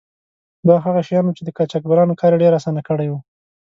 دا هغه شیان وو چې د قاچاقبرانو کار یې ډیر آسانه کړی و.